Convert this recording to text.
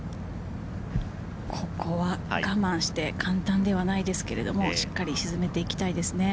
ここは我慢して簡単ではないですけれど、しっかり沈めていきたいですね。